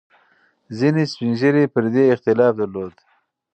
ځینې سپین ږیري پر دې اختلاف درلود.